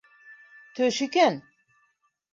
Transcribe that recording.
Төш икән!